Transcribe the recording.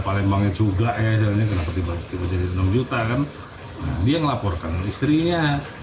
petugas yang menangkapnya menangkapnya